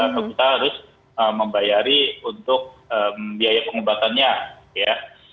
atau kita harus membayari untuk biaya pengobatannya ya